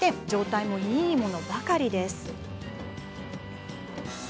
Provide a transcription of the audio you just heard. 状態もいいものばかりです。